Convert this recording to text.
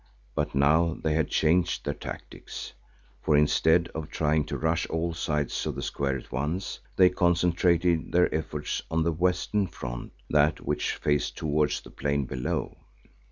But now they had changed their tactics, for instead of trying to rush all sides of the square at once, they concentrated their efforts on the western front, that which faced towards the plain below.